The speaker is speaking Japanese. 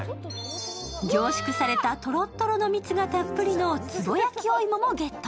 凝縮されたトロトロの蜜がたっぷりの壺焼きお芋もゲット。